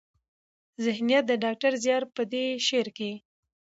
ذهنيت د ډاکټر زيار په دې شعر کې